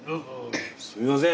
すみません。